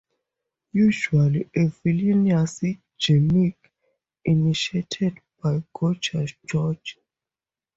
Usually a villainous gimmick, initiated by Gorgeous George.